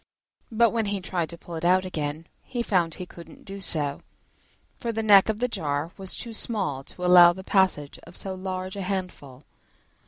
But when he tried to pull it out again, he found he couldn't do so, for the neck of the jar was too small to allow of the passage of so large a handful.